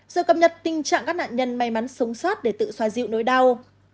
rồi cập nhật tình trạng các nạn nhân may mắn sống sót để tự xoa dịu nỗi đau